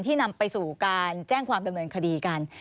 นำไปสู่การแจ้งความดำเนินคดีกัน